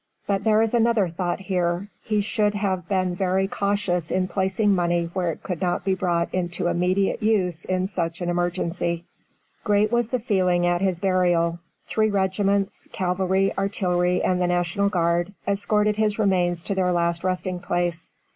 But there is another thought here; he should have been very cautious in placing money where it could not be brought into immediate use in such an emergency. Great was the feeling at his burial. Three regiments, cavalry, artillery, and the National Guard, escorted his remains to their last resting place.